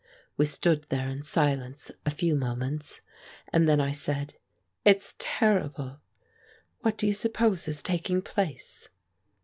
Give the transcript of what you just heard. We stood there in silence a few moments, and then I said, "It's terrible. What do you suppose is taking place?"